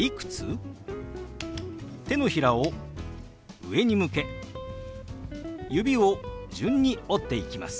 手のひらを上に向け指を順に折っていきます。